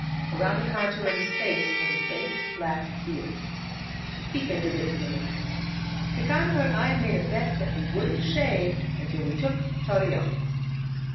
Around the contour of his face was a faint black beard. He fingered it, grinning. ^'Nicanor and I made a bet that we wouldn't shave until we took Torreon.